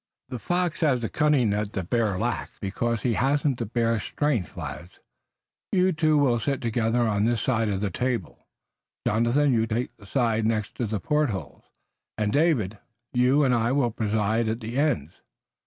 The fox has the cunning that the bear lacks, because he hasn't the bear's strength. Lads, you two will sit together on this side of the table, Jonathan, you take the side next to the portholes, and David, you and I will preside at the ends.